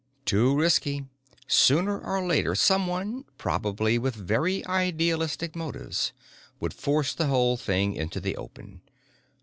"Too risky. Sooner or later someone, probably with very idealistic motives, would force the whole thing into the open.